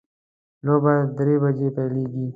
لوبه درې بجې پیلیږي